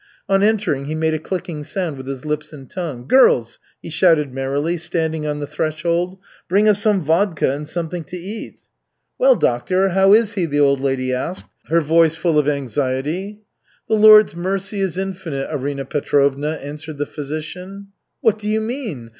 On entering he made a clicking sound with his lips and tongue. "Girls!" he shouted merrily, standing on the threshold. "Bring us some vodka and something to eat." "Well, doctor, how is he?" the old lady asked, her voice full of anxiety. "The Lord's mercy is infinite, Arina Petrovna," answered the physician. "What do you mean?